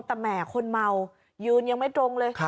แต่แหมคนเมายืนยังไม่ตรงเลย